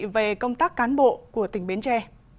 về công tác cán bộ của tỉnh bến tre